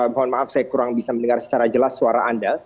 mohon maaf saya kurang bisa mendengar secara jelas suara anda